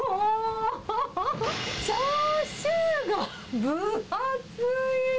チャーシューが分厚い。